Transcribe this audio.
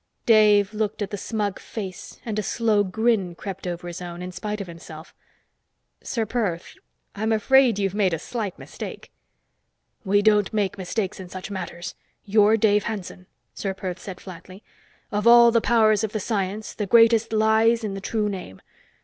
Dave looked at the smug face and a slow grin crept over his own, in spite of himself. "Ser Perth, I'm afraid you've made a slight mistake." "We don't make mistakes in such matters. You're Dave Hanson," Ser Perth said flatly. "Of all the powers of the Science, the greatest lies in the true name.